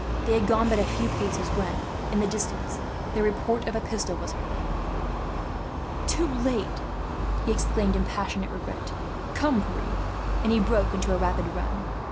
They had gone but a few paces when, in the distance, the report of a pistol was heard. "Too late!" he exclaimed, in passionate regret. "Come, Pierre," and he broke into a rapid run.